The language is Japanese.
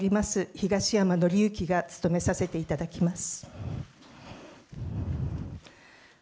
東山紀之が務めさせていただきます。